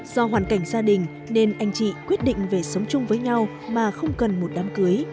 do hoàn cảnh gia đình nên anh chị quyết định về sống chung với nhau mà không cần một đám cưới